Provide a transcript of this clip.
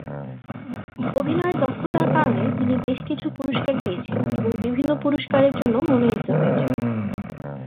অভিনয়ের দক্ষতার কারণে তিনি বেশ কিছু পুরস্কার পেয়েছেন এবং বিভিন্ন পুরস্কারের জন্য মনোনীত হয়েছেন।